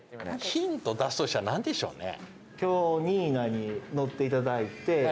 ヒント出すとしたら何でしょうね。